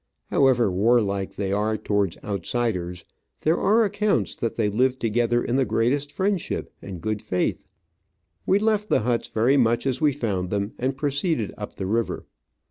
However warlike they are towards outsiders, there are accounts that they live together in the greatest friendship and good faith. We left the huts very much as we found them, and proceeded up the river.